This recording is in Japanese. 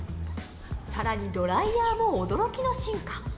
さらにドライヤーも驚きの進化